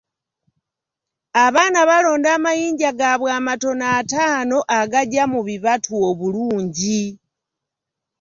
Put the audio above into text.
Abaana balonda amayinja gaabwe amatono ataano agagya mu bibatu obulungi.